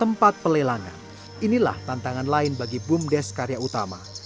tempat pelelangan inilah tantangan lain bagi bumdes karya utama